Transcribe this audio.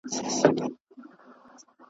که باران وي که ژلۍ، مېلمه غواړي ښه مړۍ .